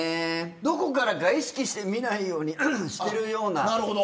どこからか意識して見ないようにしてるような。